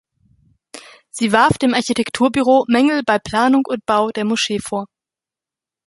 Sie warf dem Architekturbüro Mängel bei Planung und Bau der Moschee vor.